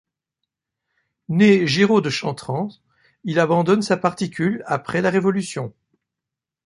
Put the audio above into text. Né Girod de Chantrans, il abandonne sa particule après la Révolution.